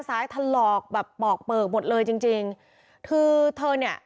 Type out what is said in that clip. ถลอกแบบปอกเปลือกหมดเลยจริงจริงคือเธอเนี่ย